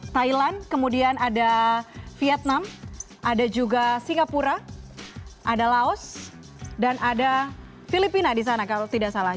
thailand kemudian ada vietnam ada juga singapura ada laos dan ada filipina di sana kalau tidak salah